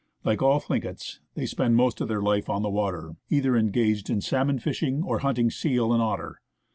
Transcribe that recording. Like all Thlinkets, they spend most of their life on the water, either engaged in salmon fishing or hunting seal and otter.